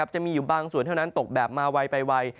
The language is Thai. จะมีอยู่บางส่วนเท่านั้นตกแบบมาไวไปไว